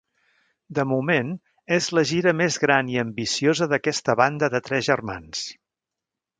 De moment, és la gira més gran i ambiciosa d'aquesta banda de tres germans.